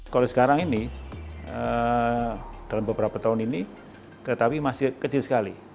kalau sekarang ini dalam beberapa tahun ini kereta api masih kecil sekali